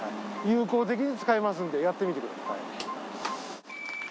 有効的に使えますんで、やってみてください。